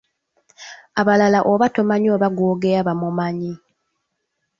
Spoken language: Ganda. Abalala oba tomanyi oba gw’ogeya bamumanyi.